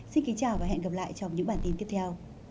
xin kính chào và hẹn gặp lại trong những bản tin tiếp theo